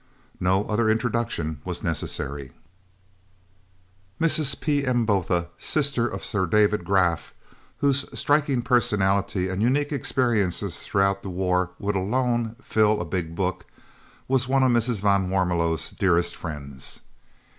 No other introduction was necessary. Mrs. P.M. Botha, sister of Sir David Graaf, whose striking personality and unique experiences throughout the war would alone fill a big book, was one of Mrs. van Warmelo's dearest friends.